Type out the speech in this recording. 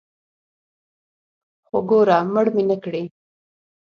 خو ګوره مړ مې نکړې.